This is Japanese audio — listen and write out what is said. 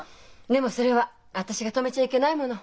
でもそれは私が止めちゃいけないもの。